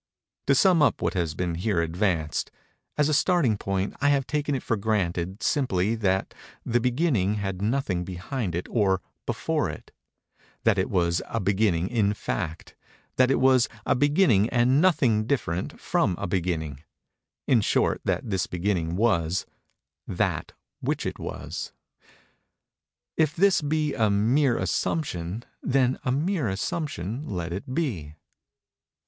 To sum up what has been here advanced:—As a starting point I have taken it for granted, simply, that the Beginning had nothing behind it or before it—that it was a Beginning in fact—that it was a beginning and nothing different from a beginning—in short that this Beginning was——that which it was. If this be a "mere assumption" then a "mere assumption" let it be.